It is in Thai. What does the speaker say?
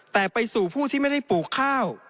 แต่ไปสู่ผู้ที่ไม่ได้ปลูกข้าว